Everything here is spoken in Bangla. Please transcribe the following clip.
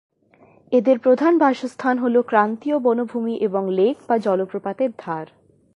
এদের প্রধান বাসস্থান হল ক্রান্তীয় বনভূমি এবং লেক বা জলপ্রপাতের ধার।